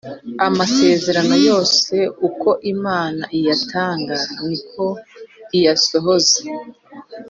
amasezerano yose uko Imana iyatanga niko iyasohoza